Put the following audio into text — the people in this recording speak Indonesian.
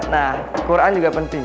nah al qur'an juga penting